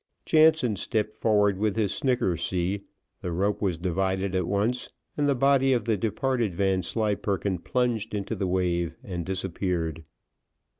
Jansen stepped forward with his snickasee, the rope was divided at once, and the body of the departed Vanslyperken plunged into the wave and disappeared.